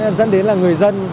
làn xe máy dẫn đến là người dân